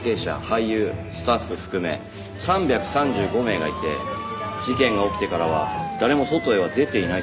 俳優スタッフ含め３３５名がいて事件が起きてからは誰も外へは出ていないそうです。